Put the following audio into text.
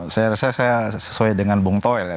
saya rasa saya sesuai dengan bung toel ya